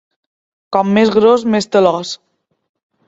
Com més gros, més talòs.